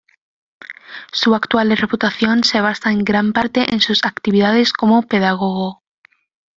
Su actual reputación se basa en gran parte en sus actividades como pedagogo.